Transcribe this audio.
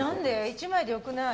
１枚で良くない？